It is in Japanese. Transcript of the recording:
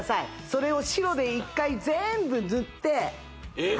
それを白で一回全部塗ってえっ？